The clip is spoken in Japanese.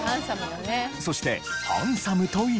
そして。